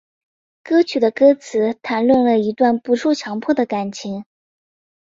歌曲的歌词谈论了一段不受强迫的感情。